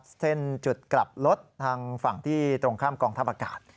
เส้นจุดกลับรถทางฝั่งที่ตรงข้ามกองทัพอากาศ